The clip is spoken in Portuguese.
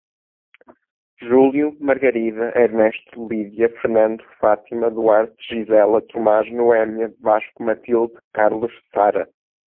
Júlio, Margarida, Ernesto, Lídia, Fernando, Fátima, Duarte, Gisela, Tomás, Noémia, Vasco, Matilde, Carlos, Sara